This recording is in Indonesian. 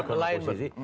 bukan ada posisi